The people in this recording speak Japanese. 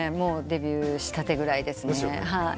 デビューしたてぐらいですね。